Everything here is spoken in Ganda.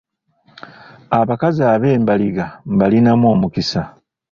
Abakazi ab’embaliga mbalinamu omukisa.